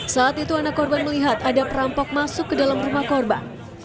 saat itu anak korban melihat ada perampok masuk ke dalam rumah korban